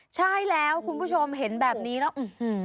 ใช่แล้วคุณผู้ชมเห็นแบบนี้แล้วอื้อหือ